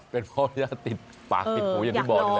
เป็นพ่อย่าติดปากติดหูอย่างที่บอกนี่แหละ